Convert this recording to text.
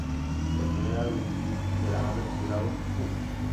El primer álbum de la banda titulado "Who?